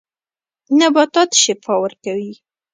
نباتات شفاء ورکوي.